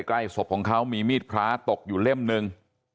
ใกล้ศพของเขามีมีดพระตกอยู่เล่มหนึ่ง